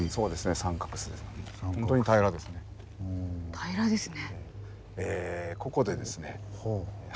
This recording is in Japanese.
平らですね。